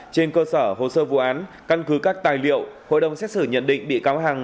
trên cơ sở hồ sơ vụ án căn cứ các tài liệu hội đồng xét xử nhận định bị cáo hằng